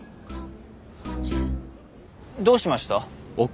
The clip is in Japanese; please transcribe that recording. どうしました？